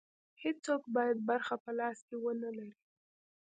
هېڅوک باید برخه په لاس کې ونه لري.